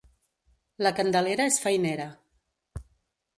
La Candelera és feinera.